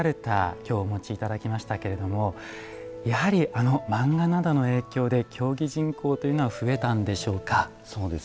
きょう、お持ちいただきましたがやはり、あの漫画などの影響で競技人口というのは増えたんでしょうか。